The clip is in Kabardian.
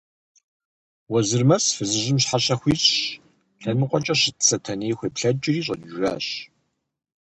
Уэзырмэс фызыжьым щхьэщэ хуищӀщ, лъэныкъуэкӀэ щыт Сэтэней хуеплъэкӀри, щӀэкӀыжащ.